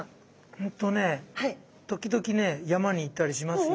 うんとね時々ね山に行ったりしますよ。